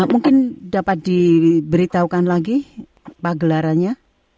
mungkin dapat diberitahukan lagi pak gelarannya